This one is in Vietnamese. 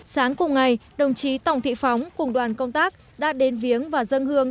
sáng cùng ngày đồng chí tổng thị phóng cùng đoàn công tác đã đến viếng và dâng hương